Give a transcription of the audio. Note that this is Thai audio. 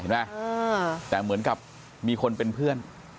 เห็นไหมแต่เหมือนกับมีคนเป็นเพื่อน